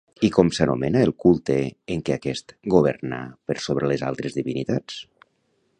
I com s'anomena el culte en què aquest governà per sobre les altres divinitats?